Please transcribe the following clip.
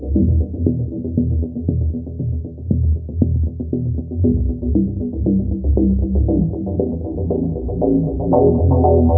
sebagai wadah sleman sekarang dua duanya pak